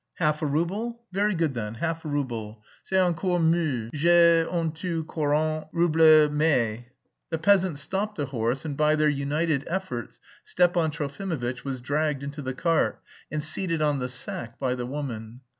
"Half a rouble? Very good then, half a rouble. C'est encore mieux; j'ai en tout quarante roubles mais..." The peasant stopped the horse and by their united efforts Stepan Trofimovitch was dragged into the cart, and seated on the sack by the woman.